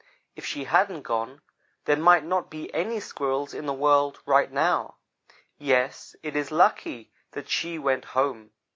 If she hadn't gone, there might not be any Squirrels in this world right now. Yes, it is lucky that she went home.